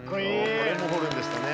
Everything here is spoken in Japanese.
これもホルンでしたね。